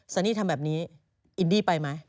นี่ทำแบบนี้อินดี้ไปไหม